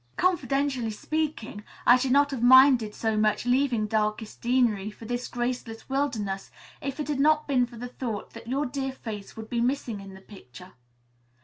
"Confidentially speaking, I should not have minded so much leaving darkest Deanery for this Grace less wilderness if it had not been for the thought that your dear face would be missing in the picture.